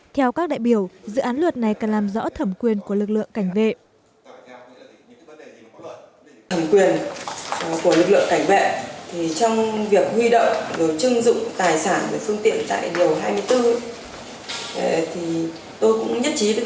theo các đại biểu dự án luật này cần làm rõ thẩm quyền của lực lượng cảnh vệ